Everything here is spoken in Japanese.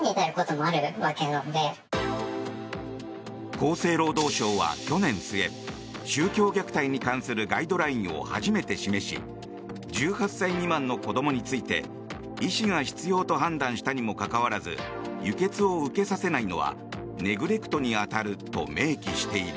厚生労働省は去年末宗教虐待に関するガイドラインを初めて示し１８歳未満の子どもについて医師が必要と判断したにもかかわらず輸血を受けさせないのはネグレクトに当たると明記している。